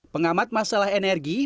pengamat masalah energi